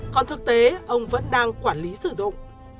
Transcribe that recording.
còn thực tế ông vẫn đang quản lý sử dụng